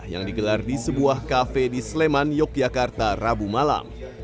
yang digelar di sebuah kafe di sleman yogyakarta rabu malam